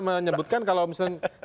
menyebutkan kalau misalnya